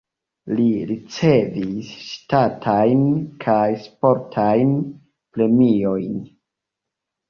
Li ricevis ŝtatajn kaj sportajn premiojn.